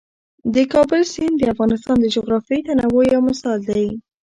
د کابل سیند د افغانستان د جغرافیوي تنوع یو مثال دی.